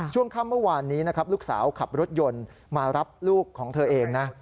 ช่วงค่ำเมื่อวานนี้นะครับลูกสาวขับรถยนต์มารับลูกของเธอเองนะ